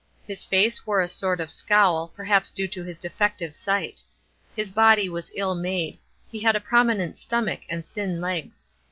His face wore a sort of scowl, perhaps due to his defective sight. His body was ill made ; he had a prominent stomach and thin legs.